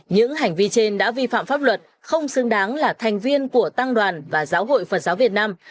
những hành vi trên đã vi phạm pháp luật không xứng đáng là thành viên của tăng đoàn và giáo hội phật giáo việt nam